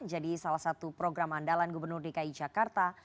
jadi salah satu program andalan gubernur dki jakarta